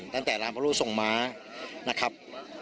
ตั้งแต่ร้านพระรูปทรงม้านะครับ